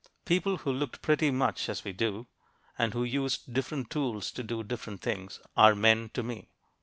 People who looked pretty much as we do, and who used different tools to do different things, are men to me.